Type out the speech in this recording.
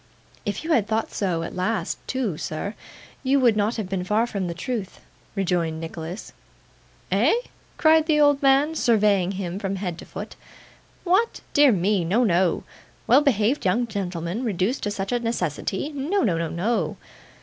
'If you had thought so at last, too, sir, you would not have been far from the truth,' rejoined Nicholas. 'Eh?' cried the old man, surveying him from head to foot. 'What! Dear me! No, no. Well behaved young gentleman reduced to such a necessity! No no, no no.